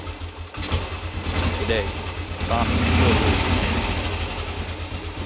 Today, farming still rules the community.